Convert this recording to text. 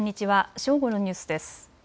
正午のニュースです。